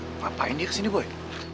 ngapain dia ke sini boy